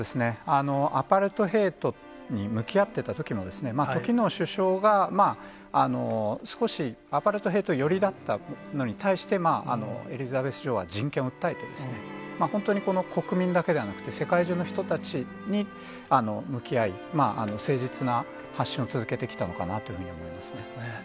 アパルトヘイトに向き合ってたときの、時の首相が、少しアパルトヘイト寄りだったのに対して、エリザベス女王は人権を訴えて、本当に国民だけではなくて、世界中の人たちに向き合い、誠実な発信を続けてきたのかなと思いますね。